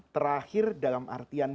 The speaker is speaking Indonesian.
terakhir dalam artian